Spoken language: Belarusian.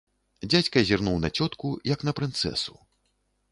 Дзядзька зірнуў на цётку, як на прынцэсу.